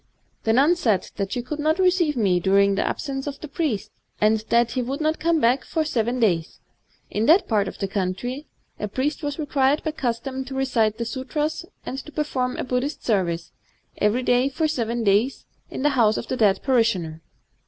The nun said that she could not receive me during the absence of the priest, and that he would not come back for seven days. ... In that part of the country, a priest was required by custom to recite the sutras and to perform a Buddh ist service, every day for seven days, in the house of a dead parishioner.